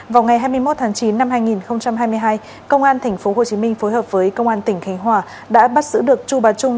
vào ngày hai mươi một tháng chín năm hai nghìn hai mươi hai công an tp hcm phối hợp với công an tp hcm đã bắt giữ được chu bà trung